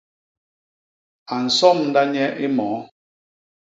A nsomda nye i moo.